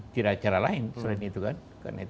tidak cara lain selain itu kan